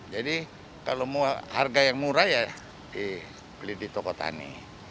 jadi kalau harga yang murah ya dibeli di toko tani